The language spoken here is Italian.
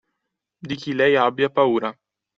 Di chi lei abbia paura.